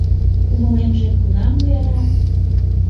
Кумылемже кунам ояра?